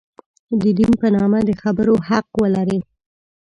د دین په نامه د خبرو حق ولري.